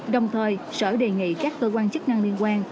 đồng thời sở đề nghị các cơ quan chức năng liên quan